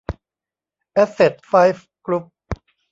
แอสเซท ไฟว์ กรุ๊ป